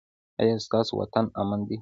ایا ستاسو وطن امن دی؟